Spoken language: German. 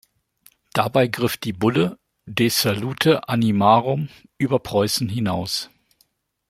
Dabei griff die Bulle „De salute animarum“ über Preußen hinaus.